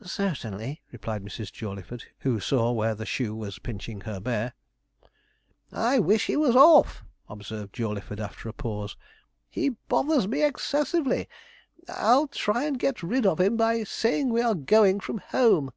'Certainly,' replied Mrs. Jawleyford, who saw where the shoe was pinching her bear. 'I wish he was off,' observed Jawleyford, after a pause. 'He bothers me excessively I'll try and get rid of him by saying we are going from home.'